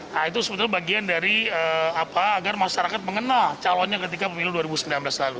nah itu sebetulnya bagian dari agar masyarakat mengenal calonnya ketika pemilu dua ribu sembilan belas lalu